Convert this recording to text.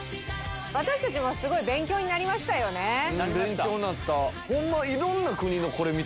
私たちもすごい勉強になりましたよねなりました